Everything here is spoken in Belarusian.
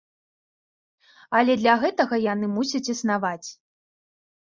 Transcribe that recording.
Але для гэтага яны мусяць існаваць.